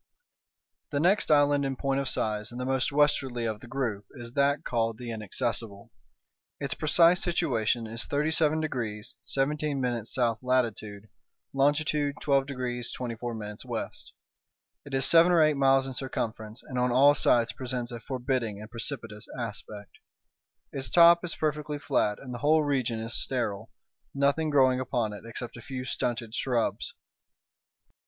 The next island in point of size, and the most westwardly of the group, is that called the Inaccessible. Its precise situation is 37 degrees 17' S. latitude, longitude 12 degrees 24' W. It is seven or eight miles in circumference, and on all sides presents a forbidding and precipitous aspect. Its top is perfectly flat, and the whole region is sterile, nothing growing upon it except a few stunted shrubs.